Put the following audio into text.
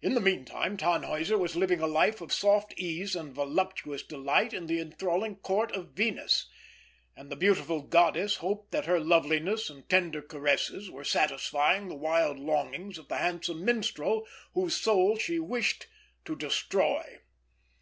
In the meantime, Tannhäuser was living a life of soft ease and voluptuous delight in the enthralling Court of Venus; and the beautiful goddess hoped that her loveliness and tender caresses were satisfying the wild longings of the handsome minstrel, whose soul she wished to destroy.